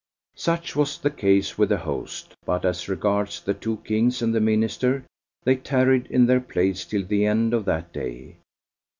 Such was the case with the host, but as regards the two Kings and the Minister, they tarried in their place till the end of that day.